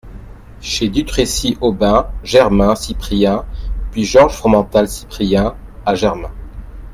Chez Dutrécy Aubin, Germain, Cyprien ; puis Georges Fromental Cyprien , à Germain.